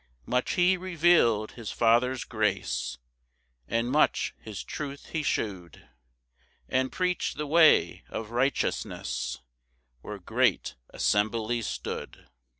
5 Much he reveal'd his Father's grace, And much his truth he shew'd, And preach'd the way of righteousness, Where great assemblies stood.